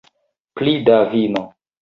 Pli da vino